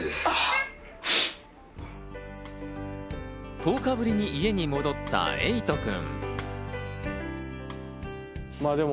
１０日ぶりに家に戻ったエイトくん。